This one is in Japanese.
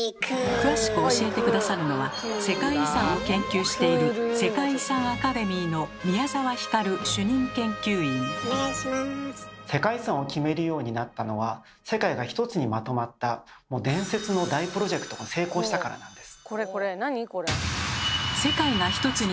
詳しく教えて下さるのは世界遺産を研究している世界遺産を決めるようになったのは世界がひとつにまとまった伝説の大プロジェクトが成功したからなんです。